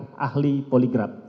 pertanyaan ahli poligraf